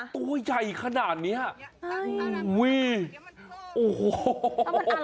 ตัวใหญ่ขนาดเนี้ยโอ้โห